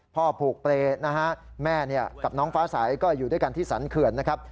พ่อผูกเปรย์นะฮะแม่กับน้องฟ้าใสก็อยู่ด้วยกันที่สรรเขื่อนนะครับ